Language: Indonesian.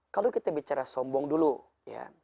kalau kita bicara sombong dulu ya